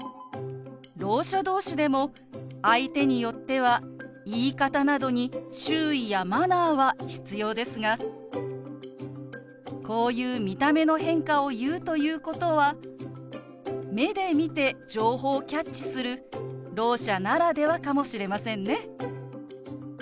ろう者同士でも相手によっては言い方などに注意やマナーは必要ですがこういう見た目の変化を言うということは目で見て情報をキャッチするろう者ならではかもしれませんね。